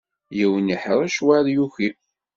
Yiwen iḥṛec, wayeḍ yuki.